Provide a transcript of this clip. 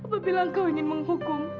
apabila kau ingin menghukum